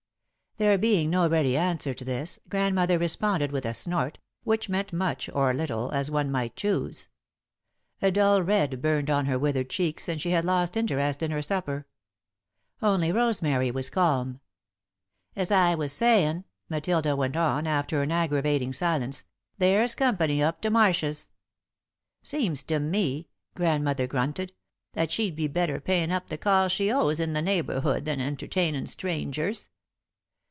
There being no ready answer to this, Grandmother responded with a snort, which meant much or little, as one might choose. A dull red burned on her withered cheeks and she had lost interest in her supper. Only Rosemary was calm. [Sidenote: A Play Actin' Person] "As I was sayin'," Matilda went on, after an aggravating silence, "there's company up to Marshs'." "Seems to me," Grandmother grunted, "that she'd better be payin' up the calls she owes in the neighbourhood than entertainin' strangers."